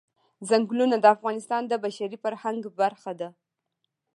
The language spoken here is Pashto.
چنګلونه د افغانستان د بشري فرهنګ برخه ده.